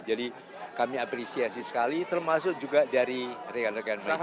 jadi kami apresiasi sekali termasuk juga dari rekan rekan maaf